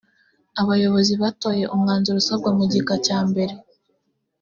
abayobozi batoye umwanzuro usabwa mu gika cya mbere